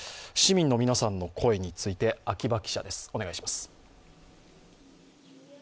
市民の皆さんの声について秋場記者です、お願いします。